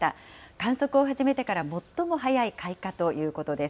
観測を始めてから最も早い開花ということです。